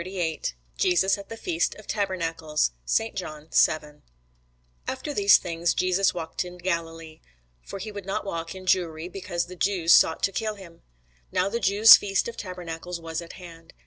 CHAPTER 38 JESUS AT THE FEAST OF TABERNACLES [Sidenote: St. John 7] AFTER these things Jesus walked in Galilee: for he would not walk in Jewry, because the Jews sought to kill him. Now the Jews' feast of tabernacles was at hand.